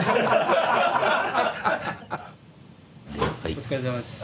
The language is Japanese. お疲れさまです。